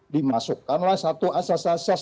dimasukkanlah satu asas asas